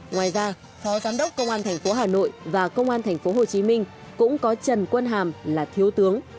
ngoài ra phó giám đốc công an thành phố hà nội và công an thành phố hồ chí minh cũng có trần quân hàm là thiếu tướng